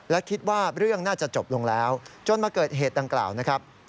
และคิดว่าเรื่องน่าจะจบลงแล้วจนมาเกิดเหตุดังกล่าวนะครับ